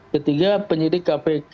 ketiga penyidik kpk